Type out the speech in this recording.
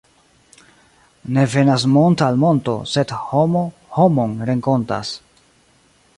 Ne venas mont' al monto, sed homo homon renkontas.